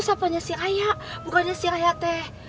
sapanya si raya bukan si raya teh